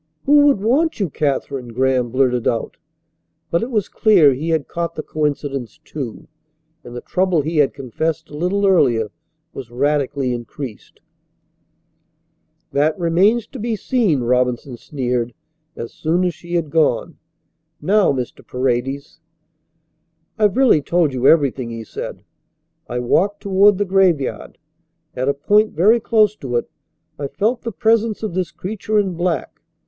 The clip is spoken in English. "Who would want you, Katherine?" Graham blurted out. But it was clear he had caught the coincidence, too, and the trouble he had confessed a little earlier was radically increased. "That remains to be seen," Robinson sneered as soon as she had gone. "Now, Mr. Paredes." "I've really told you everything," he said. "I walked toward the graveyard. At a point very close to it I felt the presence of this creature in black.